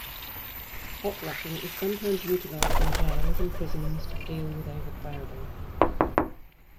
Hot racking is sometimes utilized in jails and prisons to deal with overcrowding.